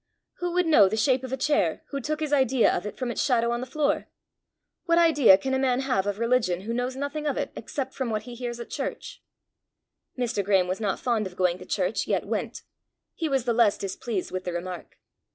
Who would know the shape of a chair who took his idea of it from its shadow on the floor? What idea can a man have of religion who knows nothing of it except from what he hears at church?" Mr. Graeme was not fond of going to church, yet went: he was the less displeased with the remark.